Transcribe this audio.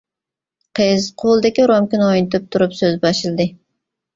قىز قولىدىكى رومكىنى ئوينىتىپ تۇرۇپ سۆز باشلىدى.